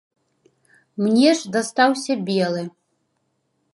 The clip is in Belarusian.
Мне ж дастаўся белы.